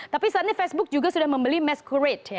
tapi saat ini facebook juga sudah membeli masquerade